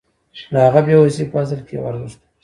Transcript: د هغه بې وسي په اصل کې یو ارزښت و